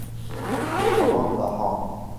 Pahlavon Daho!